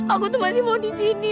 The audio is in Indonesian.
aku tuh masih mau di sini